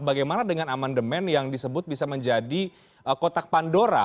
bagaimana dengan amandemen yang disebut bisa menjadi kotak pandora